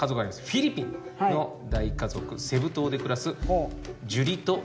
フィリピンの大家族セブ島で暮らすジュリト・ロマノさん一家。